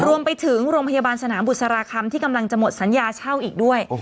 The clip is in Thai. รวมไปถึงโรงพยาบาลสนามบุษราคำที่กำลังจะหมดสัญญาเช่าอีกด้วย